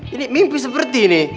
ini mimpi seperti ini